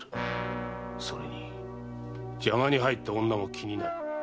それに邪魔に入った女も気になる。